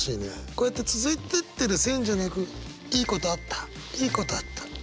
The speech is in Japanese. こうやって続いてってる線じゃなくいいことあったいいことあったいいことあった。